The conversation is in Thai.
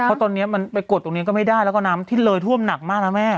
เพราะตอนนี้มันไปกดตรงนี้ก็ไม่ได้แล้วก็น้ำที่เลยท่วมหนักมากนะแม่